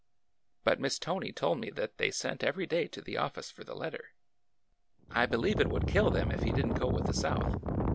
' But Miss Tony told me that they sent every day to the office for the letter. I believe it would kill them 176 ORDER NO. 11 if he did n't go with the South.